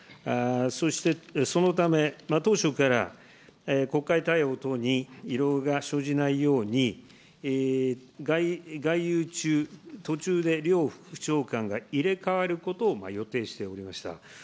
そしてそのため、当初から国会対応等に遺漏が生じないように、外遊中、途中で両副長官が入れ代わることを予定しておりました。